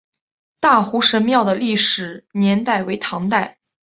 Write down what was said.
大湖神庙的历史年代为唐代。